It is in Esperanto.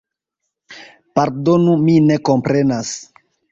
Pardonu, mi ne komprenas.